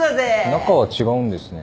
中は違うんですね。